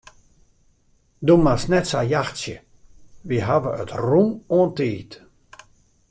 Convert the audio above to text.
Do moatst my net sa jachtsje, we hawwe it rûm oan tiid.